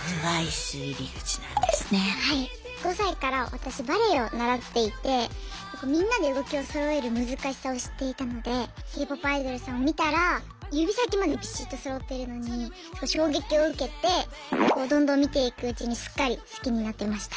５歳から私バレエを習っていてみんなで動きをそろえる難しさを知っていたのでＫ−ＰＯＰアイドルさんを見たら指先までびしっとそろっているのに衝撃を受けてどんどん見ていくうちにすっかり好きになってました。